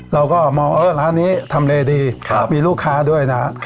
เราก็มองร้านนี้ทำเลดีมีลูกค้าด้วยนะ